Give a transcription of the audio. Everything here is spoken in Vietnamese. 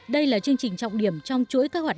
đây là chương trình trọng điểm trong chuỗi các đồng chí